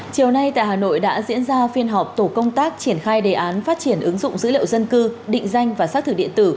chiều nay tại hà nội đã diễn ra phiên họp tổ công tác triển khai đề án phát triển ứng dụng dữ liệu dân cư định danh và xác thực điện tử